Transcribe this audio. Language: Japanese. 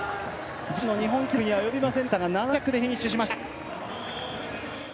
自身の日本記録には及びませんでしたが７着でフィニッシュしました。